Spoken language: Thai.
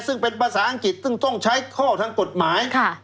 ซึ่งเป็นภาษาอังกฤษซึ่งต้องใช้ข้อทางกฎหมาย